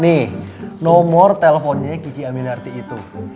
nih nomor teleponnya gigi aminarti itu